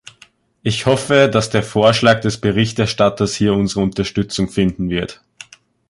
Ich hoffe, dass der Vorschlag des Berichterstatters hier unsere Unterstützung finden wird.